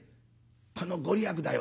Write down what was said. この御利益だよ。